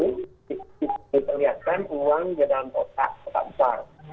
diterlihatkan uang di dalam kotak besar